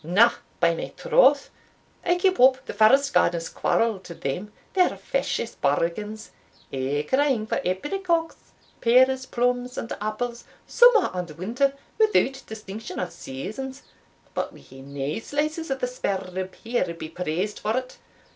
"Na, by my troth, I keep up the first gardener's quarrel to them. They're fasheous bargains aye crying for apricocks, pears, plums, and apples, summer and winter, without distinction o' seasons; but we hae nae slices o' the spare rib here, be praised for't!